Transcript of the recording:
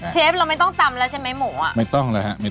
เชฟเราไม่ต้องตำใช่ไหมหมูอะ